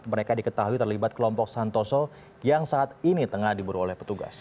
mereka diketahui terlibat kelompok santoso yang saat ini tengah diburu oleh petugas